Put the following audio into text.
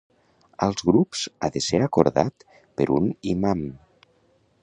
Als grups ha de ser acordat per un imam.